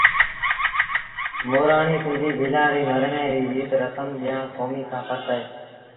مورآڻي سنڌيٚ ڀيٚلآݩ ري مرڻي ريٚ ريٚت رسم با ٻيٚآݩ ڪوميݩ کآݩ ڦرڪ اهي